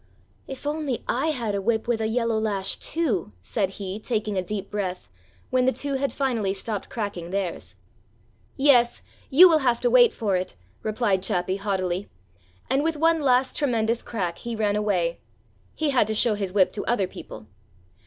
"If I only had a whip with a yellow lash too!" said he, taking a deep breath, when the two had finally stopped cracking theirs. "Yes, you will have to wait for it," replied Chappi haughtily, and with one last tremendous crack he ran away; he had to show his whip to other people.